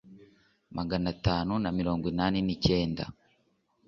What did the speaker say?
magana atanu na mirongo inani nicyenda